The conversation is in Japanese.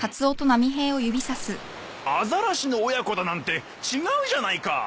アザラシの親子だなんて違うじゃないか。